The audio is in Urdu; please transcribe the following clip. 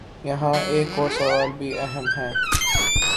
یہاں ایک اور سوال بھی اہم ہے۔